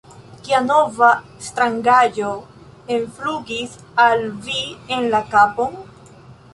Kia nova strangaĵo enflugis al vi en la kapon?